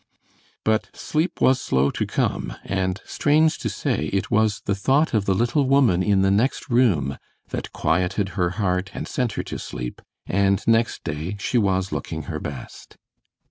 But sleep was slow to come, and strange to say, it was the thought of the little woman in the next room that quieted her heart and sent her to sleep, and next day she was looking her best.